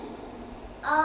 「あ」。